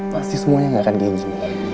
pasti semuanya gak akan gini